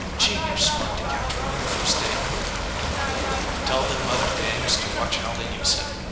"Gee, you're smart to catch one the first day out." "Tell them other dames to watch how they use it!"